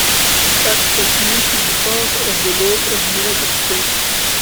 The Act continues to be part of the law of the United States.